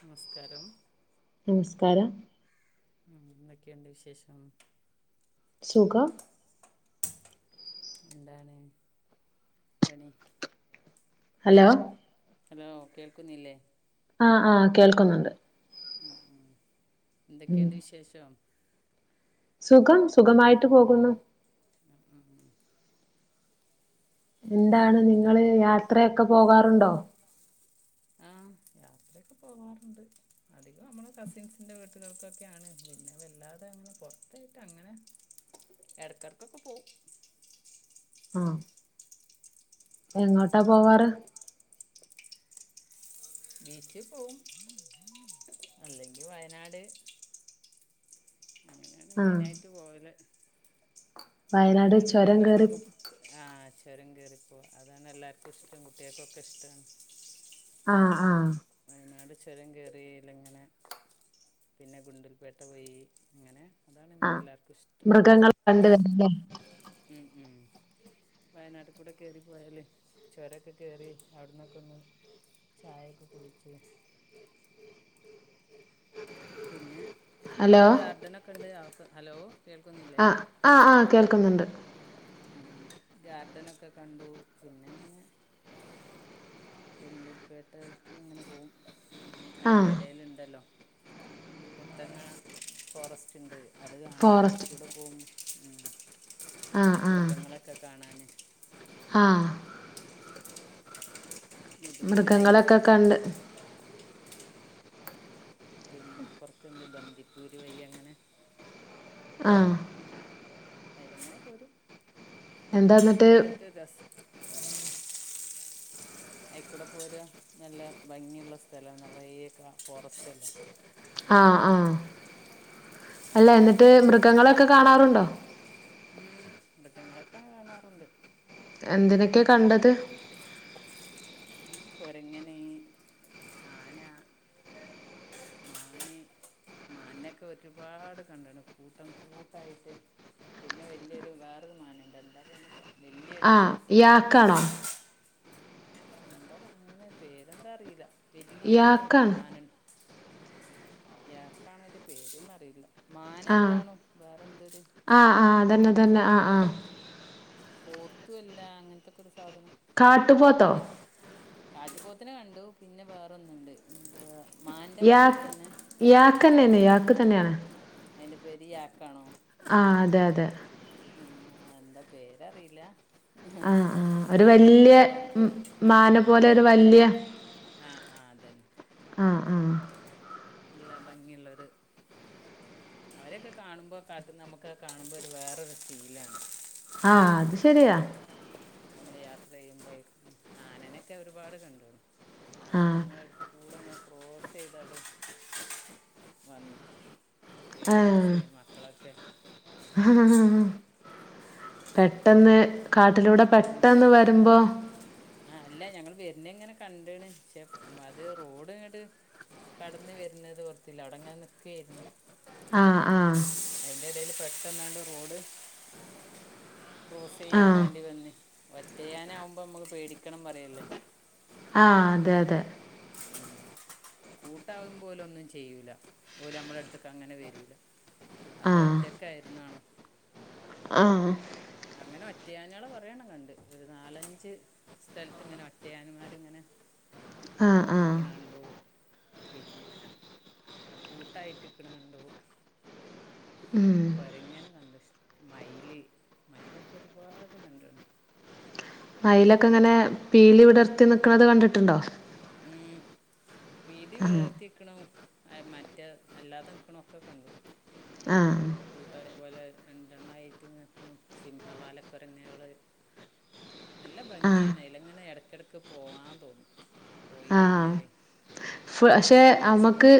നമസ്കാരം നിസ്കാരം [inaudible] സുഖം [inaudible] ഹലോ [inaudible] അ അ കേൾക്കുന്നുണ്ട് ആ ആ ഉം [inaudible] സുഖം സുഖമായിട്ട് പോകുന്നു ആ ആ എന്താണ് എന്താ നിങ്ങള് യാത്ര ഒക്കെ പോകാറുണ്ടോ ആ യാത്രക്കെ പോവാറ്ണ്ട്. അധികം അമ്മള് കസിൻസിന്റെ വീട്ടുകൾ ക്കൊക്കെ ആണ് പിന്നെ വല്ലാതെ അങ്ങനെ പോർത്തായിട്ട് അങ്ങനെ എടക്ക് എടക്ക് ക്കെ പോവും. അ എങ്ങോട്ടാ പോവാറ് ബീച്ച് പോവും അല്ലങ്കി വയനാട് ആഹ് മൈനായിട്ട് പോവല് വയനാട് ചുരം വയനാടക്കാണ് കേറി അധികം ആ ചൊരം കേറി പോകുംഅതാണ് എല്ലാർക്കും ഇഷ്ടം കുട്ട്യാൾക്ക് ഒക്കെ ഇഷ്ടാണ്. അആ നാട് ചൊരം കേറി ല്ലങ്ങനെ പിന്നെ ഗുണ്ടൽ പേട്ട പോയി ങ്ങനെ അ മൃഗങ്ങൾ കണ്ട് വ [unintelligible] ഉം ഉം വയനാട്ട് കൂടെ കേറി പോയാല് ചൊരക്കെ കേറി അവിടെന്നൊക്കെന്ന് ചായൊക്കെ കുടിച്ച് പിന്നെ അവിടെ ഗാർഡനൊക്കെ ണ്ട്. അ ഹലോ കേൾക്കുന്നില്ലേ ആ ആഹ് ആ കേൾക്കുന്നുണ്ട് ഉം ഗാർഡനൊക്കെ കണ്ടു പിന്നെങ്ങനെ ഗുണ്ടൽപേട്ടെക്ക് ഇങ്ങനെ പോവും അയിന്റെ ആഹ് എടെൽ ഇണ്ടല്ലോ മുത്തങ്ങ ഫോറസ്റ്റ് ഇണ്ട് അത് കാണാ ഫോറസ്റ്റ് ഫോറസ്റ്റ്ലൂടെ പോ ഉം മൃഗങ്ങളൊക്കെ കാണാന് ആ മുതുമലായി മൃഗങ്ങളൊക്കെ കണ്ട് ആ പിന്നെ അപ്പുറത്ത്ണ്ട് ബന്ദിപ്പൂര് വയി അങ്ങനെ ആ അയിലെ ഇങ്ങനെ പോരും അതാണ് എന്താന്നിട്ട് ഏറ്റവും രസം അയിക്കൂടെ പോര നല്ല ഭംഗിള്ള സ്ഥലം നിറയൊക്കെ ഫോറസ്റ്റ് അല്ലേ ആ ആ അല്ല എന്നിട്ട് മൃഗങ്ങളൊക്കെ കാണാറുണ്ടോ ഉം മൃഗങ്ങളൊക്കെ കാണാറുണ്ട് എന്തിനൊക്കെ കണ്ടത്? ഉം കൊരങ്ങനെ ആന മാന് മാൻനൊക്കെ ഒരുപാട് കണ്ട്ണ് കൂട്ടം കൂട്ടായിട്ട് പിന്നെ വല്യയൊരു വേറൊരു മാൻണ്ട് എന്താ പറ വല്യയൊര് ആ ഇയാക്കണോ എന്താപ്പാ അങ്ങനെ പേരെന്താ അറീലാ വലിയൊരു യാക്കാണ് മാനുണ്ട് യാക്കാണ അതിന്റെ പേരൊന്ന് അറിയില്ല ആ മാനല്ലാണും വേറെ എന്തൊരു ആ ആ അതന്നെ തന്നെ ആ ആ പോത്തു അല്ല അങ്ങൻത്തൊക്കൊരു സാധനം കാട്ടുപോത്തോ വേ കാട്ടുപോത്തിനെ കണ്ടു പിന്നെ വേറോന്നുണ്ട് ഏ കാ യാ യാക്ക് തന്നെയന്നെ യാക്ക് തന്നെയാണ് അയിന്റെ പേര് യാക്കാണോ ആ അതെ അതെ ആ എന്താ പേര് അറീലാ ആ ആ ഒരു വല്യ പറഞ്ഞു മ ആ ആ മാനെ പോലെ ഒരു വല്യ ആ ആ അതന്നെ ആ ആ നല്ല ഭംഗിയുള്ളൊര് അവരെ ഒക്കെ കാണുമ്പോ കാട്ട് ന് നമ്മക്കഹ് കാണുമ്പോ ഒരു വേറൊരു ഫീലാണ് ആ അത് ശരിയാ ഞമ്മള് യാത്ര ചെയ്യുമ്പോ ആനനെക്കെ ഒരുപാട് കണ്ട്ണ്‌. ആ ആന ഞങ്ങളടുത്തുകൂടങ്ങ ക്രോസ്സെയ്‌താട്ട് വന്ന് ആ പേടിച്ചു പോയി മക്കളൊക്കെ പെട്ടെന്ന് കാട്ടിലൂടെ ഉം. പെട്ടെന്ന് വരുമ്പോ ഇന്നെങ്ങനെ കണ്ട്ണ്. പക്ഷെ അത് റോഡ്ങ്ങട്ട് കടന്ന് വര്നതോർത്തില. അവിടെങ്ങനെ നിക്കേര്ന്നു ആഹ് ആ ഇൻ്റെടേല് പെട്ടെന്നാണ്ട് റോഡ് ക്രോസ്സ് ചെയ്യാൻ ആ വേണ്ടി വന്ന് ഒറ്റയാനാവുമ്പോ ഇമ്മക്ക് പേടിക്കണം പറയല്ലേ ആഹ് അതെ അതെ ഉം. കൂട്ടാവുമ്പോ ഓല് ഒന്നും ചെയ്യൂല. ഓല് ഞമ്മളട്തക്കങ്ങനെ വരൂല. അത് ആഹ് ഒറ്റക്കായിരുന്നാണും ആഹ് അങ്ങനെ ഒറ്റയാനോളെ കൊറേയെണ്ണം കണ്ട്. ഒര് നാലഞ്ച് സ്ഥലത്ത്ങ്ങനെ ഒറ്റയാൻമാര്ങ്ങനെ ആഹ് ആഹ് നിക്ക്ണ കണ്ടു. പിന്നെ കൂട്ടായിട്ട് ഇക്ക്ണ കണ്ടു ഉം കൊരങ്ങനെ കണ്ടു ഇഷ്ടം. മയില് മയിലൊക്കെ ഒരുപാട് കണ്ട്ണ് മയിലൊക്കെങ്ങനെ പീലി വിടർത്തി നിക്കണത് കണ്ട്ട്ട്ണ്ടോ? പീലി ആഹ് വിടർത്തി ഇക്ക്ണതും മറ്റേ അല്ലാതെ നിക്ക്ണതും ഒക്കെ കണ്ടു. ആഹ് കൂട്ടായ പോലെ രണ്ടെണ്ണായിട്ട്ങ്ങക്ക് ണതും സിംഹവാല കൊരങ്ങ്കള് നല്ല ആഹ് ഭംഗിയാണ് അയ്ലെങ്ങനെ എടക്കെടക്ക് പോവാൻ തോന്നും. പോയി ആഹ് കയ്ഞ്ഞാലെ പക്ഷെ അമ്മക്ക്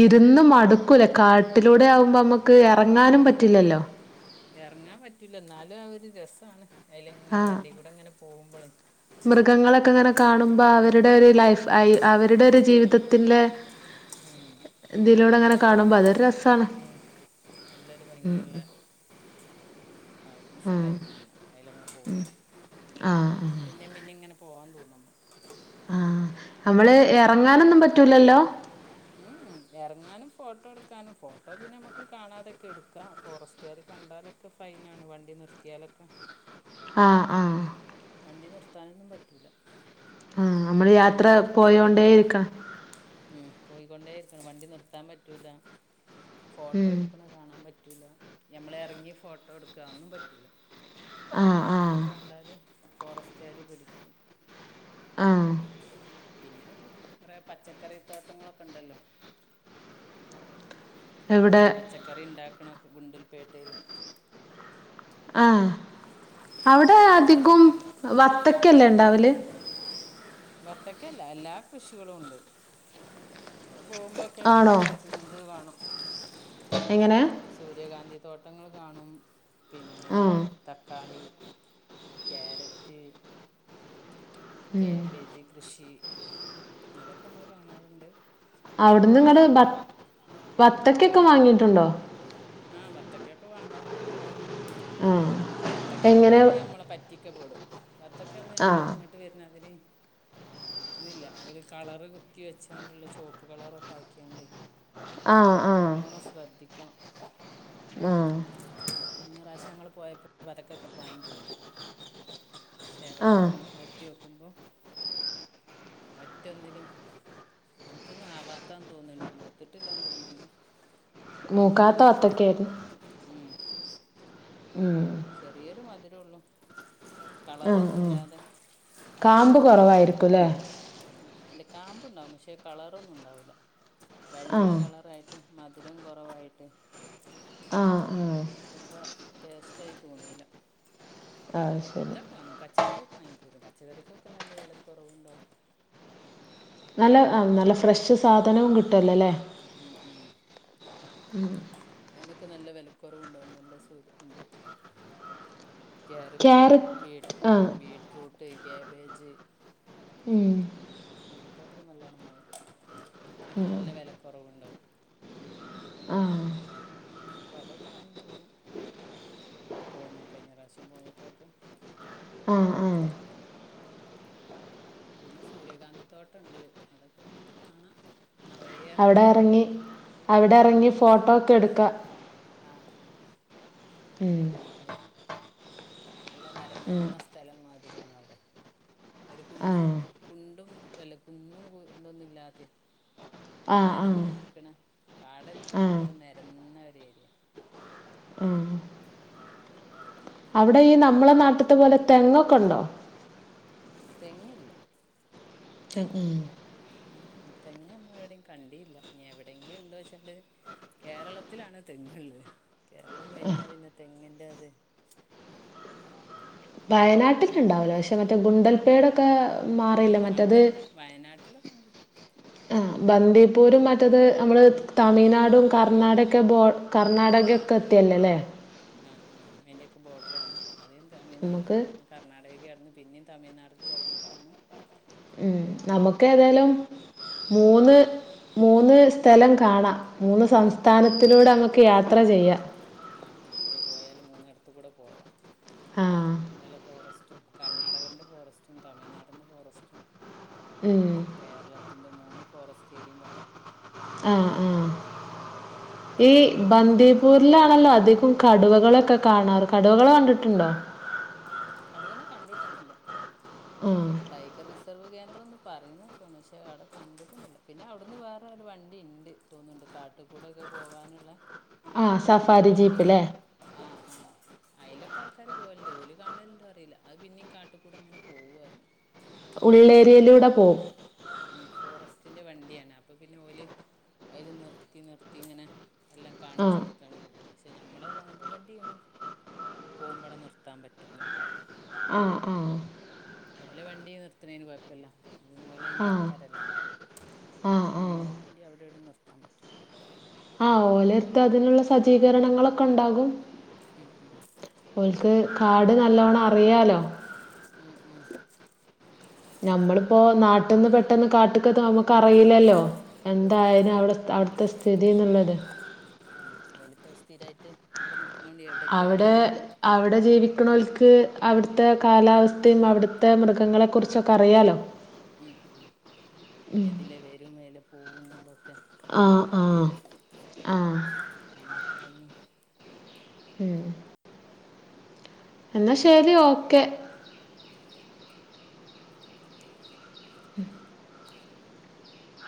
ഇ ര്ന്ന് മടുക്കൂല കാട്ടിലൂടെ ആവുമ്പൊമ്മ ക്ക് എറങ്ങാനും പറ്റില്ലല്ലോ എറങ്ങാൻ പറ്റൂല ഇന്നാലും അതൊരു രസാണ്. അയ്ലെങ്ങനെ ആഹ് വണ്ടീക്കൂടെങ്ങനെ പോവുമ്പളെ മൃഗങ്ങളൊക്കെ ഇങ്ങനെ കാണുമ്പോ അവരുടെ ഒരു ലൈഫ് അയ് അവരുടെ ജീവിതത്തിലെ ആ ഇതിലൂടെങ്ങനെ ഒരു കാണുമ്പോ അതൊരു രസാണ്. ഉം, നല്ലൊരു [unintelligible] ഉം ടൈം ആണ് അയ്ലങ്ങ് പോവുമ്പോ ആഹ് ആഹ് പിന്നിം പിന്നിം ഇങ്ങനെ പോവാൻ തോ ആഹ് അമ്മള് എറങ്ങാനൊന്നും പറ്റൂലല്ലോ? ഏ എ എർങ്ങാനും ഫോട്ടോ എട്ക്കാനും ഫോട്ടോ പിന്നെ മ്മക്ക് കാണാതെക്കെ എടുക്കാ. ഫോറസ്റ്റാര് കണ്ടാലൊക്കെ ഫൈനാണ്. വണ്ടി നിർത്തിയാലൊക്കെ ആഹ് ആഹ് ണ്ടി നിർത്താനൊന്നും പറ്റൂല. ആഹ് അമ്മള് യാത്ര വണ്ടി നിർത്തിയാൽ പോയൊണ്ടേ ഇരിക്ക പോയിക്കൊണ്ടേ ര്ക്കണം വണ്ടി നിർത്താൻ പറ്റൂല ഫോട്ടോ ഉം എടുക്ക്‌ണെ കാണാൻ പ റ്റൂല. യമ്മള് എറങ്ങി ഫോട്ടോ എട്ക്കാ അഒന്നും പറ്റൂല. ആഹ് അഹ് ആഹ് കണ്ടാല് ഫോറെസ്റ്റാ ര് പിടിക്കും ആഹ് പിന്നെ അവിടെ കൊറേ പച്ചക്കറി ത്തോട്ടങ്ങളൊക്കെ ണ്ടല്ലോ. എവിടെ പച്ചക്കറി ഇണ്ടാക്കണോ ഗുണ്ടൽപേട്ടേല് ആഹ് അവ്ടെ അധികും പച്ചക്കറി വത്തക്കല്ലെ ൺ ണ്ടാവല് വത്തക്ക അല്ല എല്ലാകൃഷികളുണ്ട് നമ്മൾ പോവുംമ്പക്കേ ആണോ പചനിന്ത് കാണും എങ്ങനെ? സൂര്യകാന്തിതോട്ടങ്ങൾ കാണും പിന്നേ ആഹ് തക്കാളി ക്യാരറ്റ് ഉം കാബേജ് കൃഷി അതൊക്കെമ്മള് കാണത്ണ്ട് അവിടിനിങ്ങട് ബ ബത്തക്കേക്ക വാങ്ങീടുണ്ടോ ആഹ് ബത്തക്കകൊക്കെ വാങ്ങാറിണ്ട് ആഹ് ബത്തക്കക്കെ എങ്ങനെ വാങ്ങിയ മ്മളെപറ്റി ക്കപ്പെടും ബത്തക്കൊന്നും ഞമ്മള ആഹ് ഇങ്ങട്ട് വരുന്നതിന് ഇതില്ല ഒരു കളറ് കുത്തിവച്ചാണ്ടുള്ള ചോപ്പ് കളറൊക്കാക്കിയാണ്ടെ ആഹ് ആഹ് നല്ലോണം സ്രെധിക്കണം ആഹ് കഴിഞ്ഞറാശങ്ങള് പോയപ്പൊ വതക്കക്കെ പായിപ്പോന്നു ആഹ് ശെവെടത്തും എത്തിനോക്കുമ്പൊ ഒറ്റൊന്നിലും ഒറ്റൊന്നുവാവത്താന്ന് തോന്നണ്ട് മൂത്തിട്ടില്ലാന്ന്തോന്ന്ണ്ട് മൂക്കാത്ത ബത്തക്കാര്ന്ന് ഉം, ഉം ചെറിയൊരു മധുരൊള്ളു ആഹ് ആഹ് കാംമ്പൊകെ കൊറവാരിക്കൂല്ലെ ഇല്ല കാമ്പുണ്ടാവും പക്ഷേ കളറൊന്നുണ്ടാവൂല്ല ആഹ് വെള്ളകളറായിട്ട് മധുരം കൊറവായിട്ടെ ആഹ് ആഹ് എനക്കത്ര ടേസ്റ്റായ് തോന്നീല്ല അത് ശരി ന്തക്കെ വാങ്ങു പച്ചക്കറി വാങ്ങിക്കൂ പച്ചക്കറിക്കൊക്കെ നല്ല വെലക്കൊറവുണ്ടാവും നല്ല നല്ല ഫ്രഷ് സാധനം കിട്ടും ട്ടുല്ലല്ലേ ഉം ഉം അയിനൊക്കെ നല്ല വെല കൊറാവിണ്ടാക്കും ക്യാരറ്റ് ബീറ്റ് ആഹ് ബീറ്റ്റൂട്ട് ക്യാബേജ് ഉം അങ്ങൻത്തൊക്കെ നല്ലോണം വാങ്ങി പ്പോ അയ്നൊക്കെ ഉം നല്ല വിലകുറവ്ണ്ട് ആഹ് അപ്പൊ അതൊക്കെ വാങ്ങി പോരും. പൊന്നേ കഴിഞ്ഞ പ്രാവിശ്യം പോയപ്പോക്കെ ആഹ് ആഹ് പിന്നെ സൂര്യഗാന്ധി തോട്ടണ്ട് അതൊക്കെ ങ്ങനെ കാണാ അവിടെ എറങ്ങി അവിടെ എറങ്ങി ഉം ഫോട്ടോക്കെ എടുക്കാ ആ ആ നല്ല ഉം ഭംഗിയില് നല്ല ഉം നിരന്ന സ്ഥലം മാതിരി ആണ് അവിടെ ഒരു കുന്നു ആഹ് കുണ്ടും അല്ല കുന്നു ഇതൊന്നുമില്ലാതെ ആഹ് ആഹ് നിരന്ന് നിക്കണ കാട് തന്നെ ഫുൾ ആഹ് നിരന്ന് നിക്കണ ആഹ് അവിടെ ഈ നമ്മള നാട്ടിലത്തെ പോലെ തെങ്ങൊക്കെ ഉണ്ടോ തെങ്ങില്ല ഉം ഉം തെങ്ങ് നമ്മള് എവിടേം കണ്ടീല്ല, ഇനി എവിടേങ്കിലും ഇണ്ടോച്ചാല് കേരളത്തിലാണ് തെങ്ങിള്ളത്, കേരളം കഴിഞ്ഞാ പിന്നെ തെങ്ങിൻ്റെ ഇത് വയനാട്ടിട്ടുണ്ടാവുല്ലോ പഷേ മറ്റെ ഗുണ്ടൽ പേടൊക്കെ ഉം അവിടെയല്ല വയനാട്ടിലൊക്കെ ഇണ്ട് ആഹ് ബന്ദി പൂരും മറ്റത് നമ്മള് തമിഴ്നാടും കർണ്ണാടക ബോ കർണ്ണാടകൊക്കെ എത്തിയെല്ലോലേ ആഹ് ആഹ് അതിൻ്റെയൊക്കെ ബോഡറാണ്. അദ്യം തമിഴ്നാട്ക്ക് [unintelligible] നമുക്ക് പിന്നെ കർണാടകയ്ക്കാ പിന്നെയും തമിഴ്നാട്ക്ക് കടന്നിട്ടാണ് പിന്നെ നമ്മളെ നമുക്ക് ഇവിടക്ക് ഏതായാലും എത്തുള്ളൂ മൂന്ന് മൂന്ന് ഉം സ്ഥലം കാണാം മൂന്ന് ഉം ഉം സംസ്ഥാനത്തിലൂടെ നമുക്ക് യാത്ര ചെയ്യാം അടുത്ത് കൂടെ പോവാ ആ [unintelligible] ഫോറസ്റ്റ് കർണാടകന്റെ ഫോറസ്റ്റും തമിഴ്നാടിന്റെ ഫോറസ്റ്റും ഉം കേരളത്തിന്റെ മൂന്ന് ഫോറസ്റ്റ് ഏരിയയും അവിടെ ആ ആ ഈ പോരാം ബന്ദിപൂരിലാണല്ലോ അധികം കടുവകളൊക്കെ കാണാറ് കടുവകള് കണ്ടിട്ടുണ്ടോ കടുവേനെ കണ്ടിട്ടൊന്നുല്ല ഉം ടൈഗർ റിസർവ് കേന്ദ്രംന്ന് പറയുന്നൊക്കെ പക്ഷേ അവിടെ കണ്ടിട്ടുന്നില്ല പിന്നെ അവിടുന്ന് വേറെ ഒരു വണ്ടി ഇണ്ട് തോന്നുന്നുണ്ട് കാട്ടി കൂടൊക്കെ പോവാനുള്ള ആ സഫാരി നമ്മളാണ്ടി ജീപ്പ് അല്ലേ ആഹ് ആഹ് അയിലൊക്കെ ആൾകാർ പോകലുണ്ട് ഓല് കാണലിണ്ടോന്ന് അറിയില്ല അത് പിന്നേം കാട്ടിൽ കൂടി പോവുവാറങ്ങി ഉള്ള് ഏരിയയിലൂടെ പോം ൻ്റെ വണ്ടി ആണ് അപ്പപ്പിന്നെ ഓല് അയില് നിർത്തി നിർത്തി നിർത്തിയിങ്ങനെ എല്ലാം ആ കാണിച്ചൊടുത്താണ് പോം പശേ ഞമ്മളെ സ്വന്തം വണ്ടിയിൽ പോകുമ്പം അവിടെ നിർത്താൻ പറ്റൂല ആ ആ ഓല വണ്ടി നിർത്തണേന് കുഴപ്പല്ല ഓലയിൻ്റെ ആ ആൾക്കാല്ലേ ആഹ് ആഹ് ഞമ്മളെ വണ്ടി അവിടെ എവിടേം നിർത്താൻ പറ്റൂല്ല നിർത്താൻ അതിനുള്ള സജീകരണങ്ങൾ ഒക്കെ ഉണ്ടാകും ഉം ഉം ഓൽക്ക് കാട് നല്ലോണ. അറിയാലോ ഉം ഉം നമ്മളിപ്പം നാട്ടിന്ന് പെട്ടെന്ന് കാട്ടിക്ക് എത്തുമ്പം നമുക്കറിയില്ലല്ലോ എന്താന്ന് ആഹ് അവിടുത്തെ സ്ഥിതിന്നുള്ളത് വലിപ്പം സ്ഥിരയിട്ട് അവിടെ നിന്ന് അവടെ അവിടെ ജീവി ക്കുന്നോൽക്ക് അവിടുത്തെ കാലാവസ്ഥേം അവിടുത്തെ മൃഗങ്ങളെ കുറിച്ചുക്കെ അറിയാലോ മ് എതിലെ വരും എയ്ലെ പോവും എന്നുള്ളതൊക്കെ ആഹ് അവർക്ക് ആഹ് അറിയാം ആഹ് നമക്ക് അതൊന്നും ഉം എന്നാ ശരി ഒ കെ ഉം ഓകെ ഉം